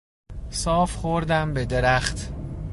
صاف خوردم به درخت.